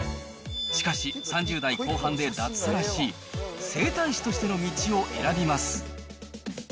しかし、３０代後半で脱サラし、整体師としての道を選びます。